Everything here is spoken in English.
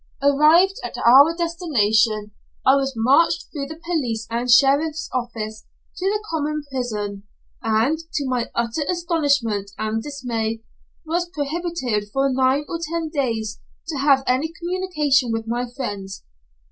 Arrived at our destination, I was marched through the police and sheriffs office to the common prison, and, to my utter astonishment and dismay, was prohibited for nine or ten days to have any communication with my friends.